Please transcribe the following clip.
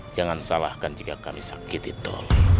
jangan salahkan jika kami sakit itu